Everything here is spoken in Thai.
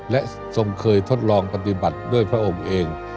และทรงเคยทดลองปฏิบัติด้วยพระองค์เอง